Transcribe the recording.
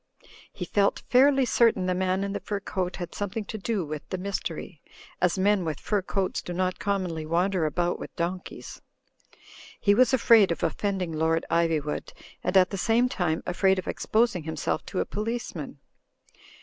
He felt fairly certain the man in the fur coat had some thing to do with the mystery, as men with fur coats do not commonly wander about with donkeys. He was afraid of offending Lord Ivywood, and at the same time, afraid of exposing himself to a policeman.